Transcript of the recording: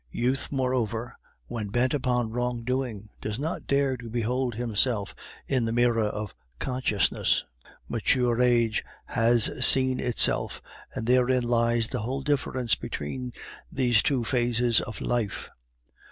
Youth, moreover, when bent upon wrongdoing does not dare to behold himself in the mirror of consciousness; mature age has seen itself; and therein lies the whole difference between these two phases of life.